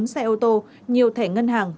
bốn xe ô tô nhiều thẻ ngân hàng